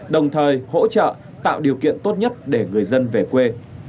đồng thời hỗ trợ tạo điều kiện tốt nhất để người dân về quê